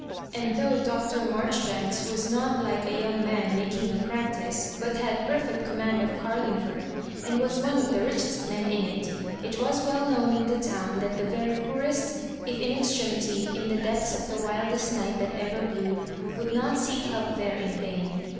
And though Dr. Marjoribanks was not like a young man making a practice, but had perfect command of' Gariingford, and was one of the ridiest men in it, it was well known m the town that the very poorest, if in ex tremity, in the depths of the wildest night that ever blew, would not seek help there in vain.